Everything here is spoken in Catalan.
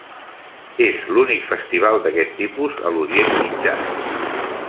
És l'únic festival d'aquest tipus a l'Orient Mitjà.